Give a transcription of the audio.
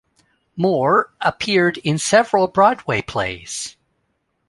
Moore appeared in several Broadway plays.